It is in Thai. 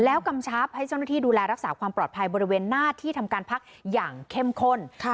แล้วกำชับให้เจ้าหน้าที่ดูแลรักษาความปลอดภัยบริเวณหน้าที่ทำการพักอย่างเข้มข้น